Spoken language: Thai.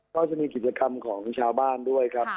ก็จะมีกิจกรรมของชาวบ้านด้วยครับ